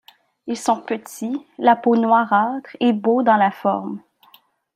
Ils sont petits, la peau noirâtre et beaux dans la forme.